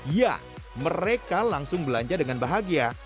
ya mereka langsung belanja dengan bahagia